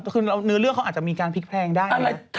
คือเนื้อเรื่องเขาอาจจะมีการพลิกแพลงได้